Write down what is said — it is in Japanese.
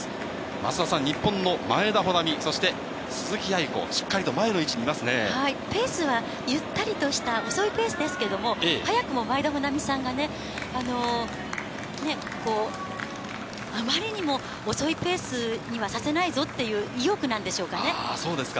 増田さん、日本の前田穂南、そして鈴木亜由子、しっかりと前ペースはゆったりとした遅いペースですけれども、早くも前田穂南さんがね、あまりにも遅いペースにはさせないぞっていう意欲なんでしょうかそうですか。